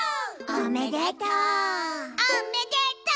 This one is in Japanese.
「おめでとう！」